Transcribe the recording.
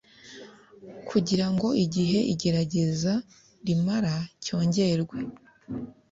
kugira ngo igihe igerageza rimara cyongerwe